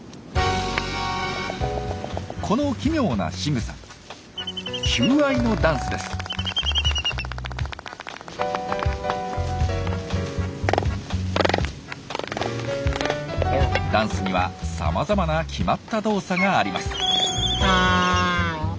この奇妙なしぐさダンスにはさまざまな決まった動作があります。